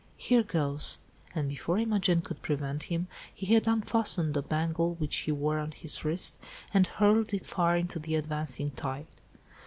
Here goes," and before Imogen could prevent him, he had unfastened a bangle which he wore on his wrist, and hurled it far into the advancing tide.